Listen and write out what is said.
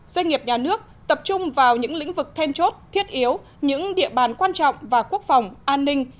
doanh nghiệp nhà nước tập trung vào những lĩnh vực then chốt thiết yếu những địa bàn quan trọng và quốc phòng an ninh